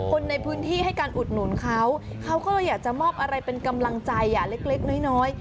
คนในพื้นที่ให้การอุดหนุนเขาเขาก็เลยอยากจะมอบอะไรเป็นกำลังใจเล็กน้อย